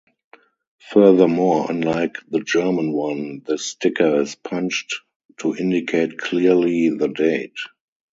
Furthermore, unlike the German one this sticker is punched to indicate clearly the date.